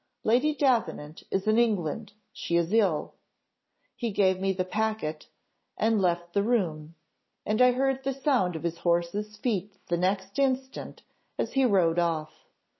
Lady Davenant is in England she is ill.' He gave me the packet, and left the room, and I heard the sound of his horses' feet the next instant as he rode off.